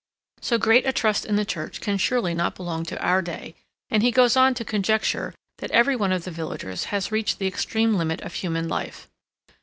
So great a trust in the Church can surely not belong to our day, and he goes on to conjecture that every one of the villagers has reached the extreme limit of human life.